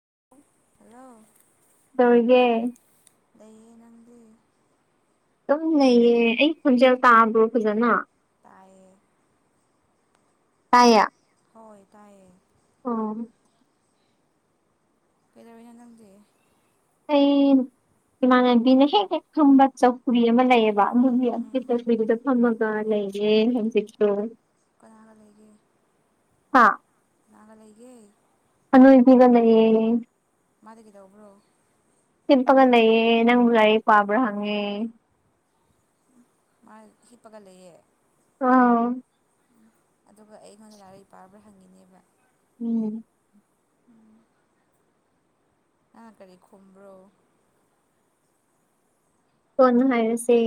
[inaudible] unintelligible ꯀꯩꯗꯧꯔꯤꯒꯦ ꯂꯩꯌꯦ ꯅꯪꯗꯤ ꯑꯗꯨꯝ ꯂꯩꯌꯦ ꯑꯩ ꯈꯣꯟꯖꯦꯜ ꯇꯥꯕ꯭ꯔꯣ ꯐꯖꯅ ꯇꯥꯏꯌꯦ ꯇꯥꯏꯌꯥ ꯍꯣꯏ ꯇꯥꯏꯌꯦ ꯑ ꯍꯨꯝ ꯀꯩꯗꯧꯔꯤꯅꯣ ꯅꯪꯗꯤ ꯑꯩ ꯏꯃꯥꯟꯅꯕꯤꯅ ꯍꯦꯛ ꯍꯦꯛ ꯊꯨꯝꯕ ꯆꯧꯀ꯭ꯔꯤ ꯑꯃ ꯂꯩꯑꯕ ꯑꯗꯨꯒꯤ ꯑꯗꯨꯒꯤ ꯎꯝ ꯆꯧꯀ꯭ꯔꯤꯗꯨꯗ ꯐꯝꯃꯒ ꯂꯩꯩꯔꯦ ꯍꯧꯖꯤꯛꯇꯣ ꯀꯅꯥꯒ ꯂꯩꯒꯦ ꯍꯥ ꯀꯅꯥꯒ ꯂꯩꯒꯦ ꯑꯅꯣꯏꯕꯤꯒ ꯂꯩꯌꯦ ꯃꯥꯗꯤ ꯀꯩꯗꯧꯕ꯭ꯔꯣ ꯍꯤꯞꯄꯒ ꯂꯩꯌꯦ ꯅꯪꯕꯨ ꯂꯥꯏꯔꯤꯛ ꯄꯥꯕ꯭ꯔꯥ ꯍꯪꯉꯦ ꯃꯥ ꯍꯤꯞꯄꯒ ꯂꯩꯌꯦ ꯔꯥꯎꯟ ꯑꯗꯨꯒ ꯑꯩꯉꯣꯟꯗ ꯂꯥꯏꯔꯤꯛ ꯄꯥꯕ꯭ꯔꯥ ꯍꯪꯉꯤꯅꯦꯕ ꯎꯝ ꯅꯪꯅ ꯀꯔꯤ ꯈꯨꯝꯕ꯭ꯔꯣ ꯀꯣꯟꯅ ꯍꯥꯏꯔꯁꯦ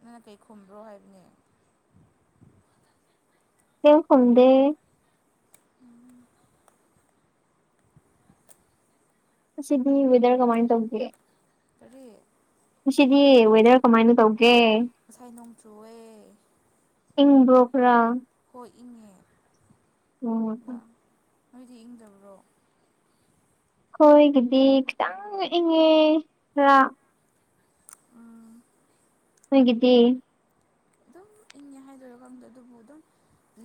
ꯅꯪꯅ ꯀꯩ ꯈꯨꯝꯕ꯭ꯔꯣ ꯍꯥꯏꯕꯅꯦ ꯀꯩꯝ ꯈꯨꯝꯗꯦ ꯎꯝ ꯉꯁꯤꯗꯤ ꯋꯦꯗꯔ ꯀꯃꯥꯏꯅ ꯇꯧꯒꯦ ꯀꯔꯤ ꯉꯁꯤꯗꯤ ꯋꯦꯗꯔ ꯀꯃꯥꯏꯅ ꯇꯧꯒꯦ ꯉꯁꯥꯏ ꯅꯣꯡꯆꯨꯋꯦ ꯏꯪꯕ꯭ꯔꯣ ꯈꯔ ꯍꯣꯏ ꯏꯪꯉꯦ ꯎꯝ [unintelligible] ꯅꯣꯏꯗꯤ ꯏꯪꯗꯕ꯭ꯔꯣ ꯑꯈꯣꯏꯒꯤꯗꯤ ꯈꯤꯇꯪ ꯏꯪꯉꯦ ꯈꯔ ꯎꯝ ꯅꯣꯏꯒꯤꯗꯤ ꯑꯗꯨꯝ ꯏꯪꯉꯦ ꯍꯥꯏꯗꯣꯏꯔ ꯈꯪꯗꯦ ꯑꯗꯨꯕꯨ ꯑꯗꯨꯝ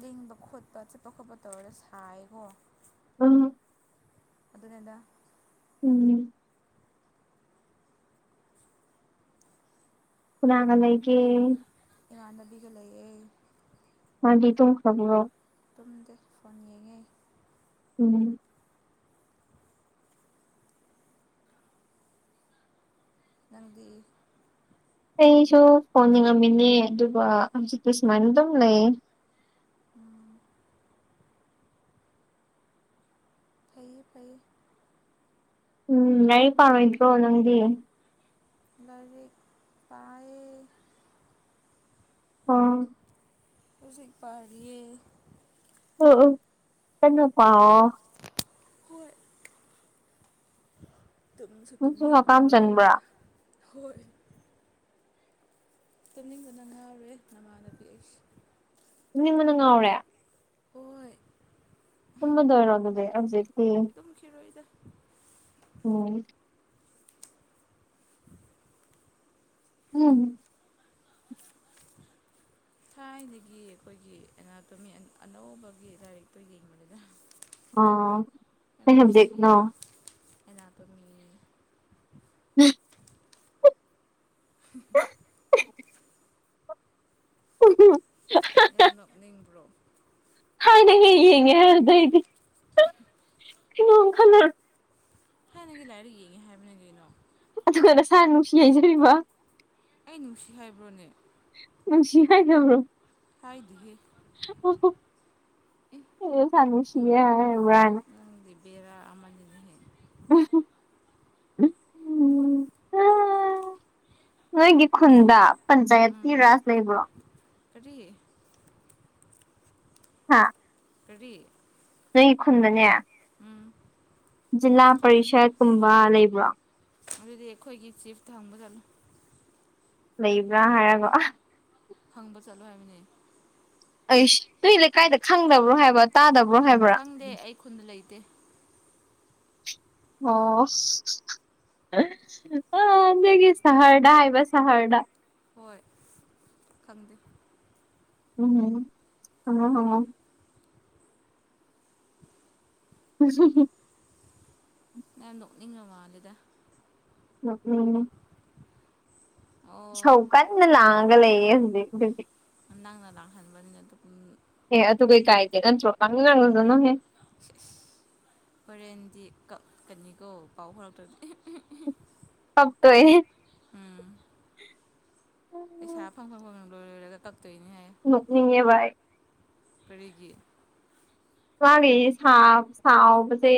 ꯂꯦꯡꯕ ꯈꯣꯠꯄ ꯆꯠꯄ ꯈꯣꯠꯄ ꯇꯧꯔ ꯁꯥꯏꯀꯣ ꯑꯝ ꯑꯗꯨꯅꯤꯗꯥ ꯎꯝ ꯀꯅꯥꯒ ꯂꯩꯒꯦ ꯏꯃꯥꯟꯅꯕꯤꯒ ꯂꯩꯌꯦ ꯃꯥꯥꯗꯤ ꯇꯨꯝꯈ꯭ꯔꯕꯔꯣ ꯇꯨꯝꯗꯦ ꯐꯣꯟ ꯌꯦꯡꯉꯦ ꯎꯝ ꯅꯪꯗꯤ ꯑꯩꯁꯨ ꯐꯣꯟ ꯌꯦꯡꯉꯝꯃꯤꯅꯦ ꯑꯗꯨꯒ ꯍꯧꯖꯤꯛꯇ ꯁꯨꯃꯥꯏꯅ ꯗꯨꯝ ꯂꯩꯌꯦ ꯐꯩꯌꯦ ꯐꯩꯌꯦ ꯎꯝ ꯂꯥꯏꯔꯤꯛ ꯄꯥꯔꯣꯏꯗ꯭ꯔꯣ ꯅꯪꯗꯤ ꯂꯥꯏꯔꯤꯛ ꯄꯥꯏꯌꯦ ꯑꯣ ꯍꯧꯖꯤꯛ ꯄꯥꯔꯤꯌꯦ ꯑꯣ ꯑꯣ ꯀꯟꯅ ꯄꯥꯎ ꯍꯣꯏ ꯇꯨꯝꯁꯨ ꯅꯪꯁꯨ ꯍꯀꯥꯝ ꯇꯨꯝꯅꯤꯡꯒꯟꯕ ꯆꯟꯕ꯭ꯔꯥ ꯂꯣꯏꯔꯦꯗ ꯍꯣꯏ ꯇꯨꯝꯅꯤꯡꯗꯅ ꯉꯥꯎꯔꯦ ꯅꯃꯥꯟꯅꯕꯤ ꯑꯩꯁꯦ ꯇꯨꯝꯅꯤꯡꯕꯅ ꯉꯥꯎꯔꯦ ꯍꯣꯏ ꯇꯨꯝꯃꯗꯣꯏꯔꯣ ꯑꯗꯨꯗꯤ ꯍꯧꯖꯤꯛꯇꯤ ꯇꯨꯝꯈꯤꯔꯣꯏꯗ ꯑꯣ [unintelligible] ꯊꯥꯏꯅꯗꯒꯤ ꯑꯩꯈꯣꯏꯒꯤ ꯑꯦꯅꯥꯇꯣꯃꯤ ꯑꯅꯧꯕꯒꯤ ꯂꯥꯏꯔꯤꯛꯇꯣ ꯌꯦꯡꯕꯅꯤꯗ ꯑꯣ ꯀꯩ ꯁꯕꯖꯦꯛꯅꯣ [unintelligible] ꯑꯦꯅꯥꯇꯦꯃꯤꯅꯦ [unintelligible] [unintelligible] [unintelligible] ꯌꯥꯝ ꯅꯣꯛꯅꯤꯡꯕ꯭ꯔꯣ ꯊꯥꯏꯅ ꯍꯦꯛ ꯌꯦꯡꯉꯦ ꯑꯗꯨꯗꯩꯗꯤ ꯀꯩꯅꯣꯝ ꯈꯜꯂ ꯊꯥꯏꯅꯒꯤ ꯂꯥꯏꯔꯤꯛ ꯌꯦꯡꯉꯤ ꯍꯥꯏꯕꯅꯤ ꯀꯩꯅꯣ ꯑꯗꯨꯒ ꯅꯁꯥꯅ ꯅꯨꯡꯁꯤ ꯍꯥꯏꯖꯔꯤꯕ ꯑꯩ ꯅꯨꯡꯁꯤ ꯍꯥꯏꯕ꯭ꯔꯣꯅꯦ ꯅꯨꯡꯁꯤ ꯍꯥꯏꯗꯕ꯭ꯔꯣ ꯍꯥꯏꯗꯦꯍꯦ ꯎꯝꯍꯨꯝ ꯑꯩꯗꯤ ꯏꯁꯅ ꯅꯨꯡꯁꯤꯌꯦ ꯍꯥꯏ ꯏꯕꯔꯅ ꯑꯪꯗꯤꯕꯔꯥ ꯑꯃꯅꯤꯅꯦꯍꯦ [unintelligible] ꯍꯥ ꯅꯣꯏꯒꯤ ꯈꯨꯟꯗ ꯎꯝ ꯄꯟꯆꯥꯌꯦꯠꯀꯤ ꯔꯥꯖ ꯂꯩꯕ꯭ꯔꯣ ꯀꯔꯤ ꯍꯥꯥ ꯀꯔꯤ ꯅꯣꯏꯒꯤ ꯈꯨꯟꯗꯅꯦ ꯎꯝ ꯖꯤꯂꯥ ꯄꯔꯤꯁꯠꯀꯨꯝꯕ ꯂꯩꯕ꯭ꯔꯣ ꯑꯗꯨꯗꯤ ꯑꯩꯈꯣꯏꯒꯤ ꯆꯤꯐ꯭ꯠꯇ ꯍꯪꯕ ꯇꯜꯂꯦ ꯂꯩꯕ꯭ꯔꯥ ꯍꯥꯏꯔꯒ ꯑ ꯐꯪꯕ ꯆꯠꯂꯣ ꯍꯥꯏꯕꯅꯤ ꯑꯩꯁ ꯅꯣꯏ ꯂꯩꯀꯥꯏꯗ ꯈꯪꯗꯕ꯭ꯔꯣ ꯍꯥꯏꯕ ꯇꯥꯗꯕꯣ ꯍꯥꯏ ꯈꯪꯗꯦ ꯑꯩ ꯈꯨꯟꯗ ꯂꯩꯇꯦ ꯑꯣ ꯑ ꯅꯣꯏꯒꯤ ꯁꯍꯔꯗ ꯍꯥꯏꯕ ꯁꯍꯔꯗ ꯍꯣꯏ ꯈꯪꯗꯦ ꯎꯝ ꯍꯪꯉꯣ ꯍꯪꯉꯣ [unintelligible] ꯅꯪ ꯅꯣꯛꯅꯤꯡꯉ ꯃꯥꯜꯂꯦꯗ ꯅꯣꯛꯅꯤꯡꯉꯦ ꯑꯣ ꯏꯁꯧꯀꯟꯅ ꯂꯥꯡꯉꯒ ꯂꯩꯌꯦ ꯍꯧꯖꯤꯛ ꯑꯗꯨꯗꯤ ꯅꯪꯅ ꯂꯥꯛꯍꯟꯕꯅꯤꯅ ꯑꯗꯨ ꯎꯝ ꯑꯦ ꯑꯗꯨꯨ ꯀꯩ ꯀꯥꯏꯒꯦ ꯅꯠꯇ꯭ꯔꯣ ꯉꯥꯡꯅꯤꯡ ꯉꯥꯡꯅꯖꯅꯨꯍꯦ ꯍꯣꯔꯦꯟꯗꯤ ꯀꯛꯀꯅꯤꯀꯣ ꯄꯥꯎ ꯐꯥꯎꯔꯛꯇ꯭ꯔꯗꯤ꯫ ꯄꯛꯇ꯭ꯔꯦꯍꯦ ꯎꯝ꯫ ꯄꯩꯁꯥ ꯐꯪꯐꯝ [unintelligible] ꯂꯣꯏꯔꯒ ꯀꯛꯇꯣꯏꯅꯤ ꯍꯥꯏꯌꯨ ꯅꯣꯛꯅꯤꯡꯉꯦꯕ ꯑꯩ꯫ ꯀꯔꯤꯒꯤ꯫ ꯃꯥꯒꯤ ꯁꯥꯥꯎ ꯁꯥꯥꯎꯕꯁꯦ꯫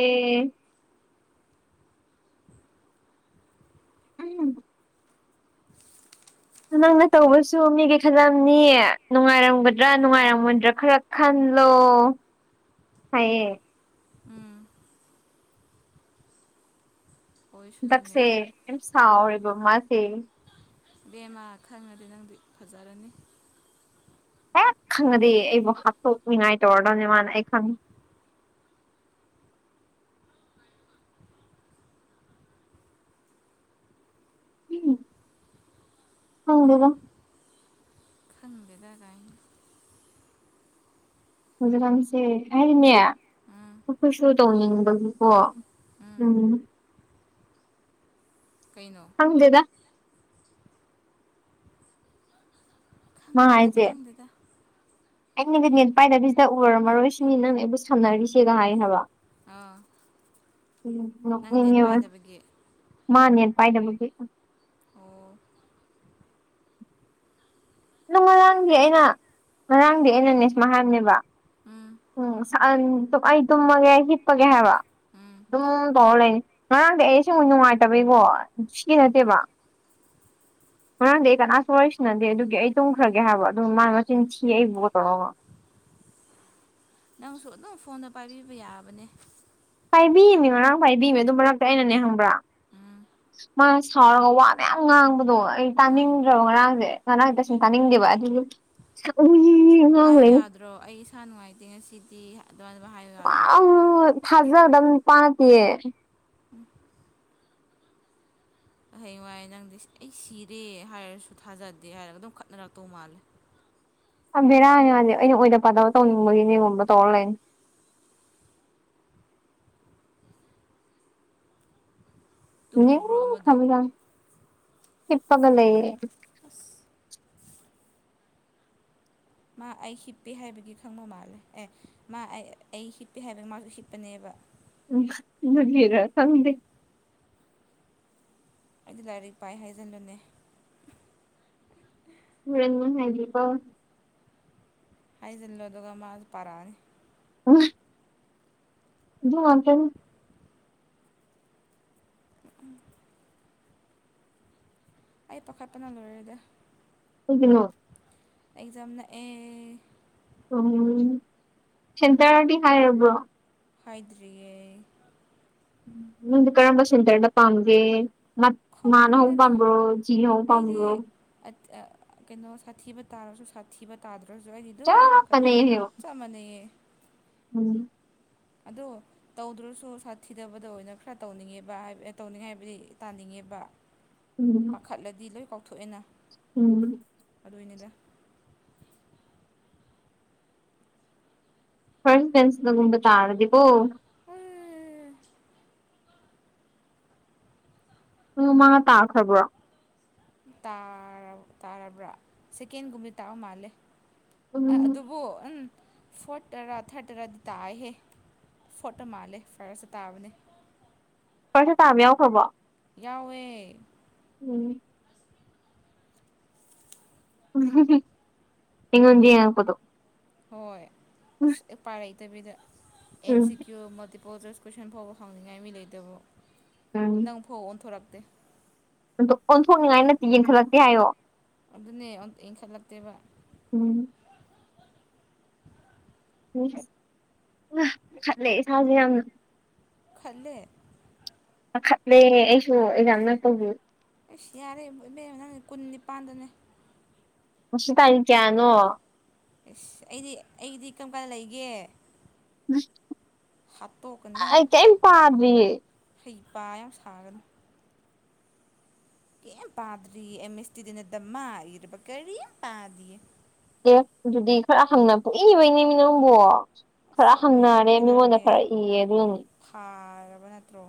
ꯎꯝ꯫ ꯅꯪꯅ ꯇꯧꯕꯁꯨ ꯃꯤꯒꯤ ꯈꯜꯂꯝꯅꯤ ꯅꯨꯡꯉꯥꯏꯔꯝꯒꯗ꯭ꯔꯥ ꯅꯨꯡꯉꯥꯏꯔꯝꯃꯣꯏꯗ꯭ꯔꯥ ꯈꯔ꯫ ꯈꯜꯂꯣ ꯍꯥꯏꯌꯦ꯫ ꯎꯝ꯫ ꯑꯣꯏꯁꯅꯨꯅꯦ ꯍꯟꯗꯛꯁꯦ ꯌꯥꯝ ꯁꯥꯎꯔꯦꯕ ꯃꯥꯁꯦ ꯏꯕꯦꯝꯃ ꯈꯪꯉꯗꯤ ꯅꯪꯗꯤ ꯐꯖꯔꯅꯤ ꯍꯦꯛ ꯈꯪꯉꯗꯤ ꯑꯩꯕꯨ ꯍꯥꯠꯇꯣꯛꯅꯤꯡꯉꯥꯏ ꯇꯧꯔꯗꯣꯅꯤ ꯃꯥꯅ ꯑꯩ ꯈꯪꯉꯤ [unintelligible] ꯈꯪꯗꯦꯗ ꯈꯪꯗꯦꯗꯒꯥꯏꯅ ꯍꯧꯖꯤꯛꯀꯥꯟꯁꯦ ꯑꯩꯅꯦ ꯎꯝ ꯑꯩꯈꯣꯏꯁꯨ ꯇꯧꯅꯤꯡꯕꯒꯤꯀꯣ ꯎꯝ ꯀꯩꯅꯣ ꯈꯪꯗꯦꯗ ꯃꯥ ꯈꯪꯗꯦꯗ ꯍꯥꯏꯁꯦ ꯈꯪꯗꯦꯗ ꯑꯩꯅꯒ ꯅꯦꯠ ꯄꯥꯏꯗꯕꯤꯁꯤꯗ ꯎꯔꯝꯃꯔꯣꯏ ꯁꯤꯅꯤ ꯅꯪꯅ ꯑꯩꯕꯨ ꯁꯝꯅꯔꯤꯁꯦꯒ ꯍꯥꯏ ꯍꯥꯏꯕ ꯑꯥ ꯎꯝ ꯅꯪ ꯅꯦꯠ ꯅꯣꯛꯅꯤꯡꯉꯦꯕ ꯄꯥꯏꯗꯕꯒꯤ ꯃꯥ ꯅꯦꯠ ꯄꯥꯏꯗꯕꯒꯤ ꯑꯣ ꯑꯗꯣ ꯉꯔꯥꯡꯗꯤ ꯑꯩꯅ ꯉꯔꯥꯡꯗꯤ ꯑꯩꯅ ꯅꯦ ꯁꯨꯃꯥꯏ ꯍꯥꯏꯕꯅꯦꯕ ꯎꯝ ꯉꯁꯥꯏ ꯑꯩ ꯇꯨꯝꯃꯒꯦ ꯍꯤꯞꯄꯒꯦ ꯍꯥꯏꯕ ꯎꯝ ꯑꯗꯨꯝ ꯇꯧꯔ ꯂꯩꯅꯤ ꯉꯔꯥꯡꯗꯤ ꯑꯩ ꯑꯁꯦꯡ ꯅꯨꯡꯉꯥꯏꯇꯕꯩꯀꯣ ꯁꯤꯒꯤ ꯅꯠꯇꯦꯕ [inaudible] ꯉꯔꯥꯡꯗꯤ ꯑꯩ ꯀꯅꯥꯁꯨ ꯋꯥꯔꯤꯁꯥꯟꯅꯗꯦ ꯑꯗꯨꯒꯤ ꯑꯩ ꯇꯨꯝꯈ꯭ꯔꯒꯦ ꯍꯥꯏꯕ ꯑꯗꯨꯏ ꯃꯥ ꯃꯆꯤꯟ ꯊꯤꯑꯦ ꯑꯩꯕꯨ ꯇꯧꯔꯒ ꯅꯪꯁꯨ ꯑꯗꯨꯝ ꯐꯣꯟꯗꯣ ꯄꯥꯏꯕꯤꯕ ꯌꯥꯕꯅꯦ ꯄꯥꯏꯕꯤꯌꯦꯃꯤ ꯉꯔꯥꯡ ꯄꯥꯏꯕꯤꯕ ꯑꯗꯨ ꯃꯔꯛꯇ ꯑꯩꯅꯅꯦ ꯈꯪꯕ꯭ꯔꯥ ꯎꯝ ꯃꯥꯅ ꯁꯥꯎꯔꯒ ꯋꯥ ꯃꯌꯥꯝ ꯉꯥꯡꯕꯗꯣ ꯑꯩ ꯑꯧ ꯇꯥꯅꯤꯡꯗ꯭ꯔꯕ ꯉꯔꯥꯡꯁꯦ ꯉꯔꯥꯡꯁꯦ ꯇꯁꯦꯡ ꯇꯥꯅꯤꯡꯗꯦꯕ ꯑꯗꯨ [unintelligible] ꯍꯥꯏꯌꯨ ꯌꯥꯗ꯭ꯔꯣ ꯑꯩ ꯏꯁꯥ ꯅꯨꯡꯉꯥꯏꯇꯦ ꯉꯁꯤꯗꯤ ꯑꯗꯨꯃꯥꯏꯅ ꯍꯥꯏ ꯋꯥ ꯊꯥꯖꯗꯣꯕ ꯅꯨꯄꯥ ꯅꯠꯇꯦꯌꯦ ꯍꯌꯦꯡꯋꯥꯏ ꯅꯪꯗꯤ ꯑꯩ ꯁꯤꯔꯦ ꯍꯥꯏꯔꯁꯨ ꯊꯥꯖꯗꯦ ꯍꯥꯏꯔꯒ ꯑꯗꯨꯝ ꯈꯠꯅꯔꯛꯇꯧ ꯃꯥꯜꯂꯦ ꯄꯨꯔꯥ ꯕꯦꯔꯥꯅꯤ ꯃꯥꯗꯤ ꯑꯩꯅ ꯑꯣꯏꯗ ꯄꯥꯗꯕ ꯇꯧꯅꯤꯡꯕꯒꯤꯅꯦꯒꯨꯝꯕ ꯇꯧꯔꯒ ꯂꯩꯅꯤ ꯇꯨꯝꯃꯤꯕ꯭ꯔꯣ ꯑꯃꯗꯣ ꯇꯨꯝꯅꯤꯡꯈ꯭ꯔꯕ ꯖꯥꯠꯅꯤ ꯍꯤꯞꯄꯒ ꯂꯩꯔꯦ ꯑꯁ ꯃꯥ ꯑꯩ ꯍꯤꯞꯄꯦ ꯍꯥꯏꯕꯒꯤ ꯈꯪꯕ ꯃꯥꯜꯂꯦ ꯑꯦ ꯃꯥ ꯑꯩ ꯑꯩ ꯍꯤꯠꯄꯦ ꯍꯥꯏꯕꯒꯤ ꯃꯥꯁꯨ ꯍꯤꯠꯄꯅꯦꯕ ꯎꯝ ꯑꯗꯨꯒꯤꯔ ꯈꯪꯗꯦ ꯑꯩꯗꯤ ꯂꯥꯏꯔꯤꯛ ꯄꯥꯏ ꯍꯥꯏꯖꯟꯕꯅꯦ [unintelligible] ꯍꯥꯢꯖꯜꯂꯣ ꯑꯗꯨꯒ ꯃꯥꯁ ꯄꯥꯔꯛꯅꯤ ꯎꯝ ꯑꯗꯨ ꯉꯥꯛꯇꯅꯤ ꯑꯩ ꯄꯈꯥꯠꯄꯅ ꯂꯣꯏꯔꯦꯗ ꯀꯩꯒꯤꯅꯣ ꯑꯦꯛꯖꯥꯝꯅꯛꯑꯦ ꯎꯝ ꯁꯦꯟꯇꯔꯗꯤ ꯍꯥꯏꯔꯕꯣ ꯍꯥꯏꯗ꯭ꯔꯤꯕꯣ ꯅꯪꯗꯤ ꯀꯔꯝꯕ ꯁꯦꯟꯇꯔꯗ ꯄꯥꯝꯒꯦ ꯃꯥꯅ ꯍꯧꯕ ꯈꯪꯗꯦꯗ ꯄꯥꯝꯕ꯭ꯔꯣ ꯖꯤ ꯍꯧꯕ ꯄꯥꯝꯕ꯭ꯔꯣ ꯑꯥ ꯀꯩꯅꯣ ꯁꯥꯊꯤꯕ ꯇꯥꯔꯁꯨ ꯁꯥꯊꯤꯕ ꯇꯥꯗ꯭ꯔꯁꯨ ꯑꯩꯗꯤ ꯑꯗꯨꯝ ꯆꯞ ꯀꯔꯤ ꯃꯥꯟꯅꯩ ꯍꯥꯏꯌꯣ ꯆꯞ ꯃꯥꯟꯅꯩꯌꯦ ꯎꯝ ꯑꯗꯨ ꯇꯧꯗ꯭ꯔꯁꯨ ꯁꯥꯊꯤꯗꯕꯗ ꯑꯣꯏꯅ ꯈꯔ ꯇꯧꯅꯤꯡꯉꯦꯕ ꯍꯥꯏ ꯇꯧꯅꯤꯡꯉꯦ ꯍꯥꯏꯕꯗꯤ ꯇꯥꯅꯤꯡꯉꯦꯕ [inaudible] ꯎꯝ ꯈꯠꯂꯗꯤ ꯂꯣꯏ ꯀꯥꯎꯊꯣꯛꯑꯦꯅ ꯎꯝ ꯑꯗꯨꯢꯅꯤꯗ ꯐꯔꯁꯠ ꯕꯦꯟꯁꯒꯨꯝꯕ ꯇꯥꯔꯗꯤꯀꯣ ꯎꯝ ꯅꯣꯏ ꯃꯥꯒ ꯇꯥꯈ꯭ꯔꯕꯣ ꯇꯥ ꯇꯥꯔꯕ꯭ꯔꯥ ꯁꯦꯀꯦꯟꯒꯨꯝꯕ ꯇꯥꯕ ꯃꯥꯜꯂꯦ ꯑꯥ ꯎꯝ ꯑꯗꯨꯕꯨ ꯎꯝ ꯐꯣꯔ ꯇꯔ ꯊꯥꯔꯠꯗꯗꯤ ꯇꯥꯢꯍꯦ ꯐꯣꯠꯇ ꯃꯥꯜꯂꯦ ꯐꯔꯁꯇ ꯇꯥꯕꯅꯦ ꯐꯔꯁꯇꯥ ꯇꯥꯕ ꯌꯥꯎꯈ꯭ꯔꯕꯣ ꯌꯥꯎꯋꯦ ꯎꯝ ꯎꯝ ꯑꯩꯉꯣꯟꯗꯥ ꯌꯦꯡꯉꯛꯄꯥꯗꯣ ꯍꯣꯏ ꯑꯁ ꯎꯄꯥꯏ ꯂꯩꯇꯕꯤꯗ ꯑꯦꯝ ꯎꯝ ꯁꯤ ꯀ꯭ꯌꯨ ꯃꯥꯜꯇꯤꯄꯜ ꯄꯣꯖꯁ ꯀꯣꯏꯁꯟ ꯐꯥꯎꯕ ꯍꯪꯅꯤꯡꯉꯥꯏ ꯃꯤ ꯂꯩꯇꯕ ꯎꯝ ꯅꯪ ꯐꯥꯎ ꯑꯣꯟꯊꯣꯔꯛꯇꯦ ꯑꯣꯟꯊꯣꯛꯅꯤꯡꯉꯥꯏ ꯅꯠꯇꯦ ꯌꯦꯡꯈꯠꯂꯛꯇꯦ ꯍꯥꯏꯌꯣ ꯑꯗꯨꯅꯦ ꯌꯦꯡꯈꯠꯂꯛꯇꯦꯕ ꯎꯝ ꯎꯝ ꯄꯈꯠꯂꯦ ꯏꯁꯥꯁꯦ ꯌꯥꯝꯅ ꯄꯥꯈꯠꯂꯦ ꯄꯥꯈꯠꯂꯦ ꯑꯩꯁꯨ ꯑꯦꯛꯖꯥꯝ ꯅꯛꯄꯕꯨ ꯑꯩꯁ ꯌꯥꯔꯦ ꯏꯕꯦꯝꯃꯥ ꯅꯪ ꯀꯨꯟ ꯅꯤꯄꯥꯟꯗꯅꯦ ꯉꯁꯤ ꯇꯥꯔꯤꯛ ꯀꯌꯥꯅꯣ ꯑꯦꯁ ꯑꯩꯗꯤ ꯑꯩꯒꯤꯗꯤ ꯀꯔꯝ ꯀꯥꯟ ꯂꯩꯒꯦ ꯍꯥꯠꯇꯣꯛꯀꯅꯤ ꯑꯩ ꯀꯩꯝ ꯄꯥꯗ꯭ꯔꯤꯌꯦ ꯍꯩꯄ ꯌꯥꯝ ꯁꯥꯒꯅꯨ ꯀꯝ ꯄꯥꯗ꯭ꯔꯤ ꯑꯦꯃꯤꯁꯇꯤꯗꯗꯤ ꯗꯃꯥ ꯏꯔꯥꯕ ꯀꯔꯤꯝ ꯄꯥꯗꯦ ꯑꯗꯨꯗꯤ ꯈꯔ ꯍꯪꯅ ꯄꯨꯡꯢ ꯢꯕꯩꯅꯦꯃꯤ ꯅꯪꯕꯣ ꯑꯁ ꯈꯔ ꯑꯗꯨ ꯌꯥꯔꯗꯤ ꯍꯪꯅꯔꯦ ꯃꯤꯉꯣꯟꯗ ꯀꯩꯗꯧꯔꯒꯦ ꯈꯔ ꯌꯦꯡꯌꯦ ꯑꯗꯨꯢꯅꯤ ꯐꯥꯔꯕ ꯅꯠꯇ꯭ꯔꯣ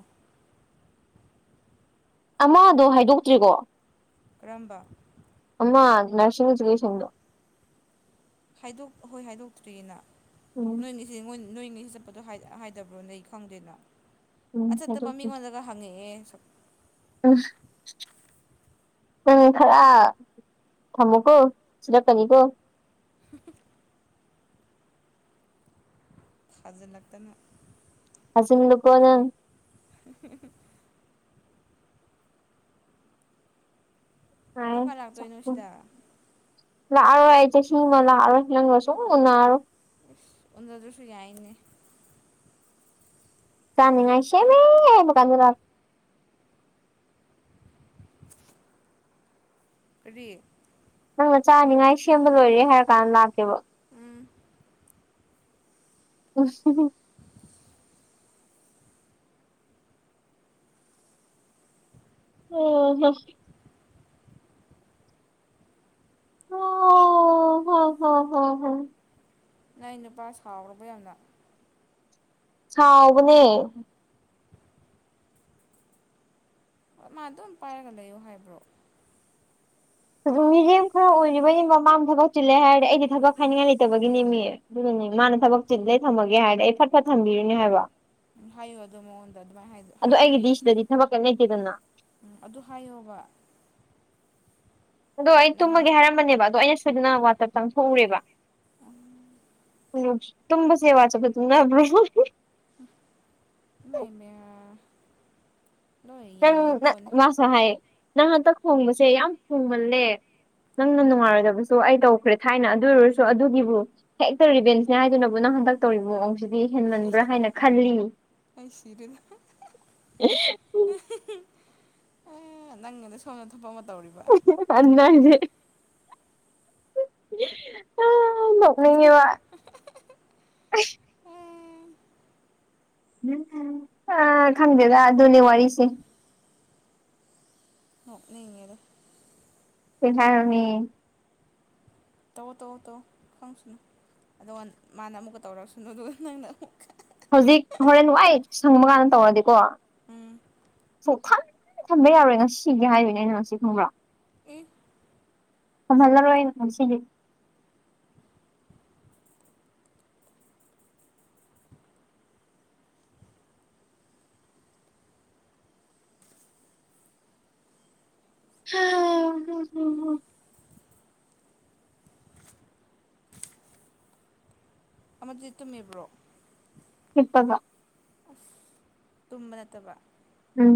ꯑꯃꯥꯗꯣ ꯍꯥꯏꯗꯣꯛꯇ꯭ꯔꯤꯒꯣ ꯀꯔꯝꯕ ꯑꯃ ꯅꯔꯁꯤꯡ ꯑꯦꯖꯨꯀꯦꯁꯟꯗꯣ ꯍꯥꯏꯗꯣꯛ ꯑꯍꯣꯏ ꯍꯥꯏꯗꯣꯛꯇ꯭ꯔꯤꯅ ꯑꯣ ꯑꯅꯤꯁꯦ ꯌꯦꯡꯉꯣꯏ ꯅꯣꯏꯅꯤ ꯆꯠꯄꯗꯣ ꯍꯥꯏ ꯍꯥꯏꯗꯕ꯭ꯔꯣ ꯅꯣꯏ ꯈꯪꯗꯦꯅ ꯎꯝ ꯑꯆꯠꯇꯕ ꯍꯥꯏꯗꯣꯛꯇ꯭ꯔꯤ ꯃꯤꯉꯣꯟꯗ ꯑ ꯍꯪꯉꯛꯑꯦ ꯁꯛ ꯑꯁ ꯎꯪ ꯈꯔ ꯊꯝꯃꯣꯀꯣ ꯆꯤꯔꯛꯀꯅꯤꯀꯣ [unintelligible] ꯊꯥꯖꯤꯜꯂꯛꯇꯅ ꯑꯖꯤꯟꯅꯨꯀꯣ ꯅꯪ [unintelligible] ꯍꯥꯏ ꯀꯝ ꯀꯥꯟ ꯂꯥꯛꯇꯣꯏꯅꯣ ꯁꯤꯗ ꯂꯥꯛꯑꯔꯣꯏ ꯑꯩꯗꯤ ꯑꯁꯦꯡꯕ ꯂꯥꯛꯑꯔꯣꯏ ꯅꯪꯒ ꯁꯨꯡꯎ ꯎꯅꯔꯔꯣꯏ ꯏꯁ ꯑꯣꯟꯗꯗ꯭ꯔꯁꯨ ꯌꯥꯏꯅꯦ ꯆꯅꯤꯉꯥꯏ ꯁꯦꯝꯃꯦ ꯑꯗꯨꯀꯥꯟꯗꯨꯟ ꯀꯔꯤ ꯗ ꯅꯪꯅ ꯆꯥꯅꯤꯡꯉꯥꯏ ꯁꯦꯝꯕ ꯂꯣꯏꯔꯦ ꯍꯥꯏꯔ ꯀꯥꯟ ꯂꯥꯛꯀꯦꯕ ꯎꯝ ꯎꯁ ꯑꯣ ꯍ ꯋꯥ [unintelligible] ꯅꯣꯏ ꯅꯨꯄꯥ ꯁꯥꯎꯔꯕ ꯌꯥꯝꯅ ꯁꯥꯎꯕꯅꯦ ꯍꯣꯏ ꯃꯥ ꯑꯗꯨꯝ ꯄꯥꯏꯔꯒ ꯂꯩꯌꯣ ꯍꯥꯏꯕ꯭ꯔꯣ ꯃꯤꯔꯦꯝ ꯈꯔ ꯑꯣꯏꯔꯤꯕꯒꯤ ꯃꯃꯥꯡ ꯊꯕꯛ ꯆꯤꯜꯂꯦ ꯍꯥꯏꯔꯗꯤ ꯑꯩꯗꯤ ꯊꯕꯛ ꯍꯥꯏꯅꯤꯡꯉꯥꯏ ꯂꯩꯇꯕꯒꯤꯅꯦ ꯃꯤ ꯑꯗꯨꯅꯅꯦ ꯃꯥꯅ ꯊꯕꯛ ꯆꯤꯜꯂ‌ꯦ ꯊꯝꯃꯒꯦ ꯍꯥꯏꯔꯗꯤ ꯑꯩ ꯐꯠ ꯐꯠ ꯊꯝꯕꯤꯔꯤꯅꯦ ꯍꯥꯏꯕ ꯎꯝ ꯍꯥꯏꯌꯣ ꯑꯗꯣ ꯃꯉꯣꯟꯗ ꯑꯗꯨꯃꯥꯏ ꯍꯥꯏꯗ ꯑꯗꯣ ꯍꯥꯏꯌꯣ ꯑꯩꯒꯤꯗꯤ ꯁꯤꯗꯗꯤ ꯊꯕꯛ ꯀꯩꯝ ꯂꯩꯇꯦꯗꯅ ꯎꯝ ꯑꯗꯨ ꯍꯥꯏꯌꯣꯕ ꯑꯗꯣ ꯑꯩ ꯅꯪ ꯇꯨꯝꯃꯒꯦ ꯍꯥꯏꯔꯝꯕꯅꯦꯕ ꯑꯗꯣ ꯑꯩꯅ ꯁꯣꯏꯗꯅ ꯋꯥꯠꯆꯞ ꯆꯪꯊꯣꯛꯎꯔꯦꯕ ꯎꯝ ꯇꯨꯝꯕꯁꯦ ꯋꯥꯆꯞꯇ ꯇꯨꯝ ꯫ꯅꯕ꯭ꯔꯣ ꯏꯃꯩ ꯃꯦꯌꯔ ꯅꯪꯅ ꯃꯥꯁꯨ ꯍꯥꯏꯌꯦ ꯅꯪ ꯍꯟꯇꯛ ꯈꯣꯡꯕꯁꯦ ꯌꯥꯝ ꯈꯣꯡꯃꯜꯂꯦ ꯅꯪꯅ ꯅꯨꯡꯉꯥꯏꯔꯣꯏꯗꯕꯁꯨ ꯑꯩ ꯇꯧꯈ꯭ꯔꯦ ꯊꯥꯏꯅ ꯑꯗꯨ ꯑꯣꯏꯔꯁꯨ ꯑꯗꯨꯒꯤꯕꯨ ꯍꯦꯛꯇ ꯔꯤꯕꯦꯟꯁꯅꯦ ꯍꯥꯏꯗꯨꯅꯕꯨ ꯅꯪ ꯍꯟꯗꯛ ꯇꯧꯔꯤꯕ ꯃꯑꯣꯡꯁꯤꯗꯤ ꯍꯦꯟꯃꯟꯕ꯭ꯔꯥ ꯍꯥꯏꯅ ꯈꯜꯂꯤ ꯑꯩ ꯁꯤꯔꯦꯗ ꯑꯦ ꯅꯪꯒꯤꯗꯣ ꯁꯣꯝꯗ ꯊꯕꯛ ꯑꯃ ꯇꯧꯔꯤꯕ ꯄꯥꯟꯅꯥꯏꯗꯤ ꯑ ꯅꯣꯛꯅꯤꯡꯉꯦꯋꯥ ꯑꯦ ꯑ ꯈꯪꯗꯦꯗ ꯑꯗꯨꯅꯦ ꯋꯥꯔꯤꯁꯦ ꯅꯣꯛꯅꯤꯡꯉꯦꯗ ꯏꯟꯁꯥꯡꯅꯣꯃꯤ ꯇꯧꯋꯣ ꯇꯧꯋꯣ ꯇꯧꯋꯣ ꯈꯪꯁꯅꯨ ꯑꯗꯨꯒ ꯃꯥꯅ ꯑꯃꯨꯛꯀ ꯇꯧꯔꯁꯅꯨ ꯑꯗꯨꯒ ꯅꯪꯅ ꯍꯧꯖꯤꯛ ꯍꯣꯔꯦꯟ ꯋꯥꯏ ꯁꯪꯕ ꯀꯥꯟꯗ ꯇꯧꯔꯗꯤꯀꯣ ꯎꯝ ꯁꯨꯡꯊꯝ ꯊꯝꯕ ꯌꯥꯔꯣꯏ ꯉꯁꯤꯒꯤ ꯍꯥꯏꯗꯣꯏꯅꯦ ꯑꯩꯅ ꯉꯁꯤ ꯈꯪꯕ꯭ꯔ ꯑꯦ ꯆꯪꯍꯜꯂꯔꯣꯥꯏ ꯑꯩꯅ ꯉꯁꯤꯗꯤ ꯍꯥ [unintelligible] ꯑꯃꯗꯤ ꯇꯨꯝꯃꯤꯕ꯭ꯔꯣ ꯍꯤꯞꯄꯒ ꯑꯁ ꯇꯨꯝꯕ ꯅꯠꯇꯕ ꯎꯝ